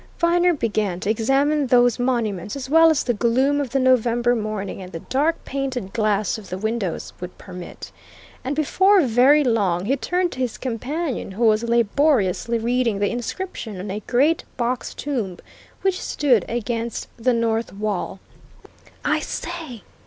Viner began to examine those monuments as well as the gloom of the November morning and the dark painted glass of the windows would permit. And before very long he turned to his companion, who was laboriously reading the inscription on a great box tomb which stood against the north wall. "I say!"